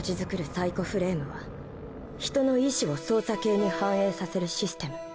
サイコフレームは人の意思を操作系に反映させるシステム。